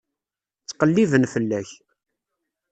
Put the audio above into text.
Ttqelliben fell-ak.